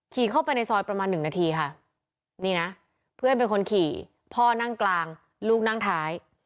เข้าไปในซอยประมาณหนึ่งนาทีค่ะนี่นะเพื่อนเป็นคนขี่พ่อนั่งกลางลูกนั่งท้าย